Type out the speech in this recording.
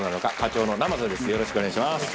よろしくお願いします